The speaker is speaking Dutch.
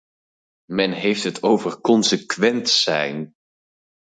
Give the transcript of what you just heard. Men heeft het over consequent zijn.